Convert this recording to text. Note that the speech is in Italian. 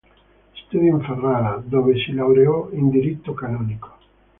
Studiò a Ferrara, dove si laureò in diritto canonico.